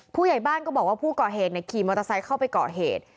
ผู้ใหญ่บ้านก็บอกว่าผู้ก่อเหตุขี่มอเตอร์ไซค์เข้าไปก่อเหตุ